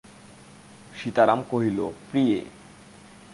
সীতারাম কহিল, প্রিয়ে।